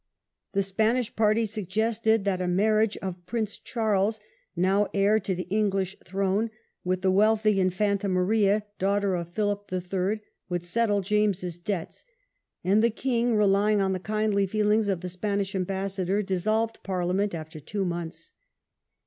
^ The Spanish party suggested that a marriage of Prince The Addled Charles, now heir to the English throne, with Parliament", the wealthy Infanta Maria, daughter of Philip III., would settle James's debts; and the king, relying on the kindly feelings of the Spanish ambassador, dissolved Parliament after two months.